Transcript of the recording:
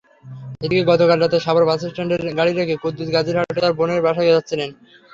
এদিকে গতকাল রাতে সাভার বাসস্ট্যান্ডে গাড়ি রেখে কুদ্দুস গাজীরচটে তাঁর বোনের বাসায় যাচ্ছিলেন।